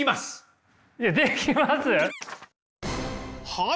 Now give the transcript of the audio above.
はい！